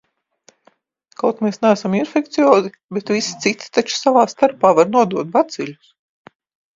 Kaut mēs neesam infekciozi, bet visi citi taču savā starpā var nodot baciļus.